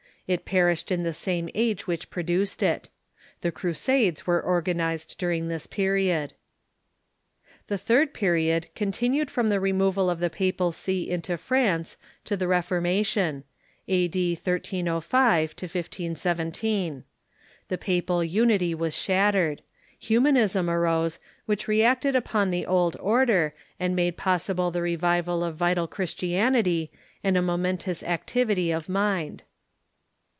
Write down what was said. It perished in the same age which produced it. The Crusades were organized during this period. The third period continued from the removal of the papal see into France to the Reformation — a.d. 1305 1517. The papal unity was shattered. Humanism arose, which reacted upon the old order, and made possible the revival of vital Christianity and a momentous activity of mind.